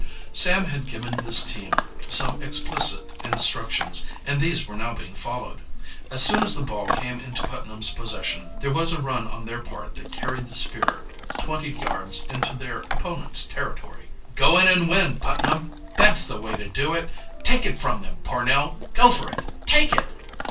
Sam had given his team some explicit instructions, and these were now being followed. As soon as the ball came into Putnam's possession there was a run on their part that carried the sphere twenty yards into their opponents territory. "Go in and win, Putnam!" "That's the way to do it!" "Take it from them, Pornell! Go for it! Take it!"